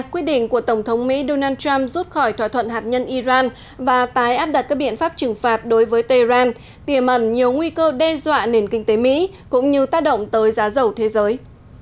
quyết định của tổng thống mỹ donald trump rút khỏi thỏa thuận hạt nhân iran và tái áp đặt các biện pháp trừng phạt đối với tehran tiềm ẩn nhiều nguy cơ đe dọa nền kinh tế mỹ cũng như tác động tới giá dầu thế giới